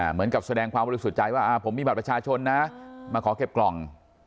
แสดงความบริสุทธิ์ใจว่าผมมีบัตรประชาชนนะมาขอเก็บกล่อง